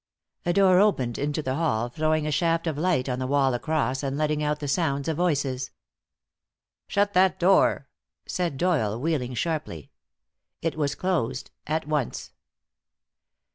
A door opened into the hall, throwing a shaft of light on the wall across and letting out the sounds of voices. "Shut that door," said Doyle, wheeling sharply. It was closed at once.